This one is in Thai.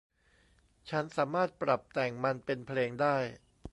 ฉันสามารถปรับแต่งมันเป็นเพลงได้